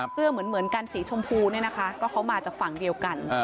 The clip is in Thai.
เสื้อเหมือนกันสีชมพูเนี่ยนะคะก็เขามาจากฝั่งเดียวกัน